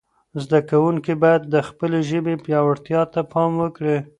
زده کوونکي باید د خپلې ژبې پياوړتیا ته پام وکړي.